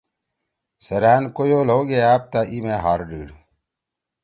سیرآن کویو لھؤ گئے أپتا ای مے ہر دیِڑ۔